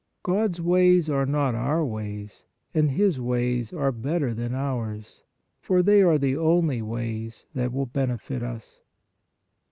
io8 PRAYER God s ways are not our ways, and His ways are better than ours, for they are the only ways that will benefit us.